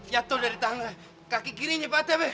yato dari tangan kaki kiri nyepat ya bae